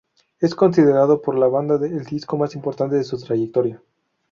Es considerado por la banda el disco más importante de su trayectoria.